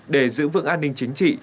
để giữ vững an ninh chính trị